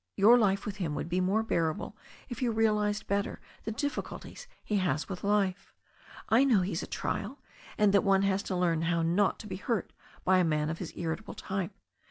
Your life with him would be more bearable if you realized better the difficulties he has with life. I know he is a trial, and that one has to learn how not to be hurt by a man of his irritable type.